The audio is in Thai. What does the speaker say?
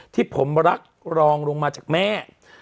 ที่ผมรักรองลงมาจากแม่